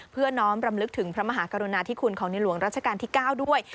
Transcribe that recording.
น้อมรำลึกถึงพระมหากรุณาธิคุณของในหลวงรัชกาลที่๙ด้วย